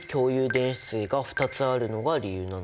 電子対が２つあるのが理由なのかな？